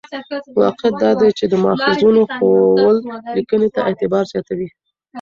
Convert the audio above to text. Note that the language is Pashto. واقعیت دا دی چې د ماخذونو ښوول لیکنې ته اعتبار زیاتوي.